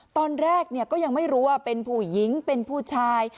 ตอนแรกก็ยังไม่รู้ว่าเป็นผู้หญิงเป็นผู้ชาย